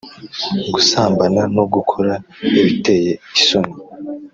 gusambana no gukora ibiteye isoni